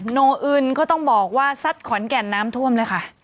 โนอึนก็ต้องบอกว่าซัดขอนแก่นน้ำท่วมเลยค่ะ